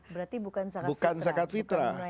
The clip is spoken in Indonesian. berarti bukan zakat fitrah